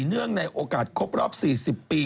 เนื่องในโอกาสครบรอบ๔๐ปี